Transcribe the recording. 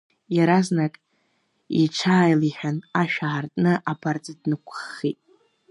Иаразнак иҽааилеиҳәан, ашә аартны абарҵа днықәххит.